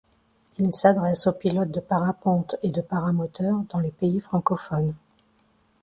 Il s'adresse aux pilotes de parapente et de paramoteur dans les pays francophones.